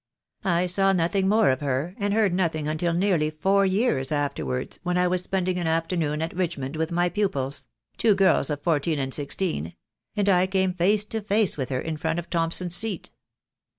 I saw nothing more of her, and heard nothing until nearly four years afterwards, when I was spending an afternoon at Richmond with my pupils — twro girls of. fourteen and sixteen — and I came face to face with her in front of Thomson's Seat.